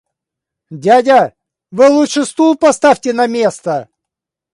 Дядя, вы лучше стул поставьте на место!